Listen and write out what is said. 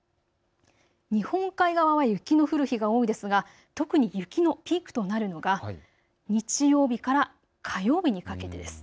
日本海側は雪の降る日が多いですが特に雪のピークとなるのが日曜日から火曜日にかけてです。